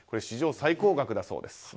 史上最高額だそうです。